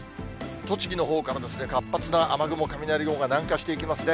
栃木のほうから活発な雨雲、雷雲が南下していきますね。